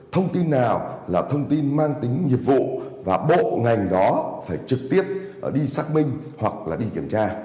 thông tin nào là thông tin mang tính nhiệm vụ và bộ ngành đó phải trực tiếp đi xác minh hoặc là đi kiểm tra